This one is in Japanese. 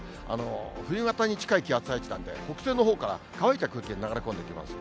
冬型に近い気圧配置なんで、北西のほうから乾いた空気が流れ込んできますね。